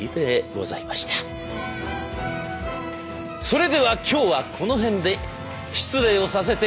それでは今日はこの辺で失礼をさせて。